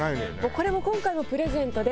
これは今回もプレゼントで。